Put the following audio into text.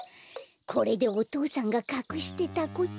これでお父さんがかくしてたことも。